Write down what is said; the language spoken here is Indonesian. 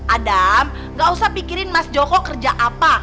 adam gak usah pikirin mas joko kerja apa